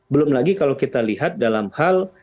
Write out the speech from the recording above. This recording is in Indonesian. belum lagi kalau kita lihat dalam hal